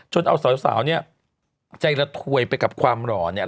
เอาสาวเนี่ยใจระถวยไปกับความหล่อเนี่ย